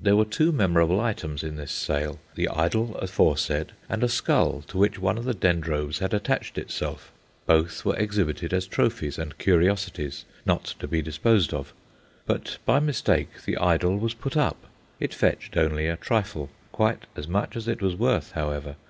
There were two memorable items in this sale: the idol aforesaid and a skull to which one of the Dendrobes had attached itself. Both were exhibited as trophies and curiosities, not to be disposed of; but by mistake, the idol was put up. It fetched only a trifle quite as much as it was worth, however.